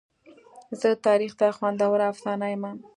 زه تاریخ ته خوندوره افسانه یمه.